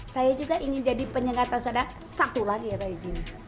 saya juga ingin jadi penyelenggara transfer dana satu lagi ada izinnya